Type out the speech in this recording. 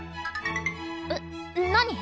えっ何？